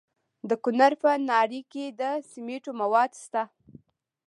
د کونړ په ناړۍ کې د سمنټو مواد شته.